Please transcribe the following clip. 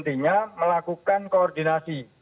hanya melakukan koordinasi